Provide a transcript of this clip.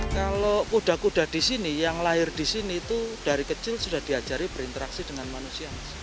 kalau kuda kuda di sini yang lahir di sini itu dari kecil sudah diajari berinteraksi dengan manusia